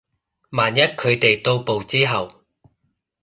萬一佢哋到埗之後